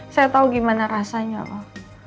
saya tahu gimana rasanya kok